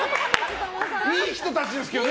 いい人たちですけどね。